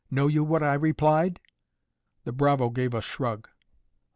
Know you what I replied?" The bravo gave a shrug.